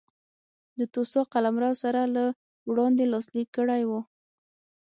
د توسا قلمرو سره له وړاندې لاسلیک کړی و.